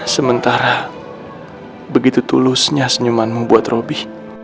sementara begitu tulusnya senyumanmu buat robby